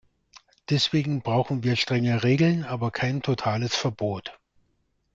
Deswegen brauchen wir strenge Regeln, aber kein totales Verbot.